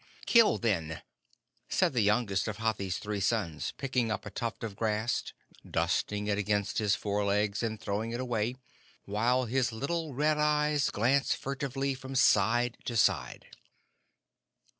"Kill, then," said the youngest of Hathi's three sons, picking up a tuft of grass, dusting it against his fore legs, and throwing it away, while his little red eyes glanced furtively from side to side.